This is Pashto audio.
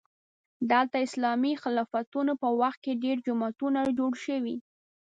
دلته د اسلامي خلافتونو په وخت کې ډېر جوماتونه جوړ شوي.